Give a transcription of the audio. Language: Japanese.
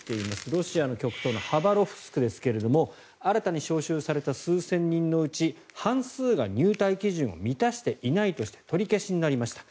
ロシアの極東のハバロフスクですが新たに招集された数千人のうち半数が入隊基準を満たしていないとして取り消しになりました。